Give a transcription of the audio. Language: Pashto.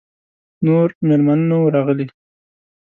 نور مېلمانه نه وه راغلي.